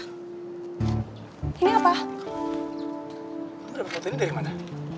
kamu dapat foto ini dari mana